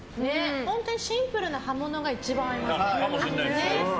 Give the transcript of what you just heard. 本当にシンプルな葉物が一番合いますね。